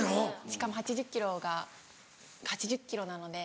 しかも８０ｋｇが８０ｋｇなので。